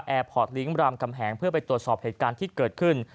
พอร์ตลิงก์รามคำแหงเพื่อไปตรวจสอบเหตุการณ์ที่เกิดขึ้น